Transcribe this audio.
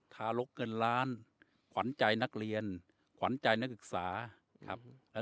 ทารกเงินล้านขวัญใจนักเรียนขวัญใจนักศึกษาครับเอ่อ